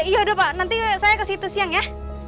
yaudah pak nanti saya ke situ siang ya